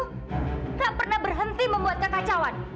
tidak pernah berhenti membuat kekacauan